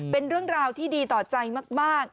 เป็นเรื่องราวที่ดีต่อใจมาก